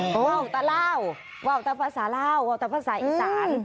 ว่าอุตลาวว่าอุตลาภาษาลาวว่าอุตลาภาษาอีสาน